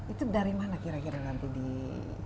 itu dari mana kira kira nanti di